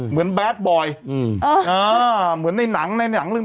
เหมือนแบดบอยอืมอ่าเหมือนในหนังในใน่งแบดบอยนะ